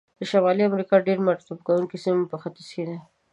د شمالي امریکا ډېر مرطوبو سیمې په ختیځ کې دي.